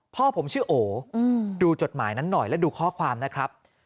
พ่อผมชื่อโอดูจดหมายนั้นหน่อยและดูข้อความนะครับ